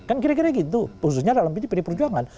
kan kira kira gitu khususnya dalam pd perjuangan